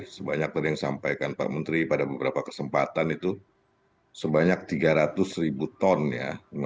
sebanyak tadi yang disampaikan pak menteri pada beberapa kesempatan itu sebanyak tiga ratus ribu ton ya